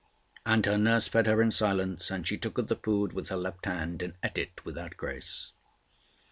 And her nurse fed her in silence, and she took of the food with her left hand, and ate it without grace.